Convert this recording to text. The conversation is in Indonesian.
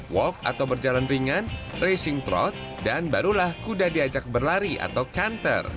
walk atau berjalan ringan racing throt dan barulah kuda diajak berlari atau kanter